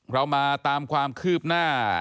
เรามาตามความคืบหน้า